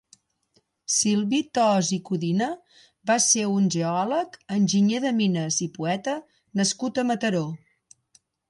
Silví Thos i Codina va ser un geòleg, enginyer de mines i poeta nascut a Mataró.